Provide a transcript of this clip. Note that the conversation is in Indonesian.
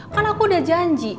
kan aku udah janji